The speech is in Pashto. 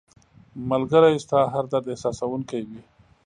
ملګری ستا هر درد احساسوونکی وي